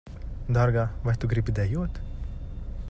Dārgā, vai tu gribi dejot?